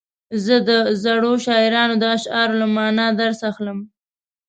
زه د زړو شاعرانو د اشعارو له معنا درس اخلم.